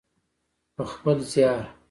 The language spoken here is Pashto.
په خپل زیار.